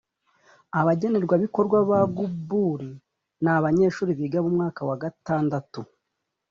abagenerwabikorwa ba gbur ni abanyeshuri biga muwa gatandatu